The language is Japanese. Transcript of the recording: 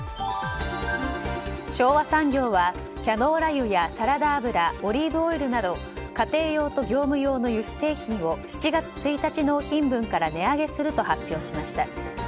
昭和産業はキャノーラ油やサラダ油オリーブオイルなど家庭用と業務用の油脂製品を７月１日納品分から値上げすると発表しました。